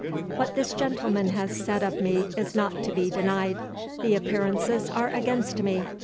What this gentleman has said of me is not to be denied the appearances are against me.